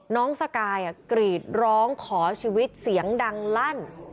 สกายกรีดร้องขอชีวิตเสียงดังลั่น